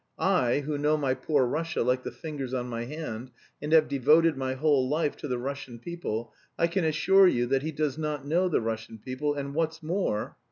I, who know my poor Russia like the fingers on my hand, and have devoted my whole life to the Russian people, I can assure you that he does not know the Russian people, and what's more..."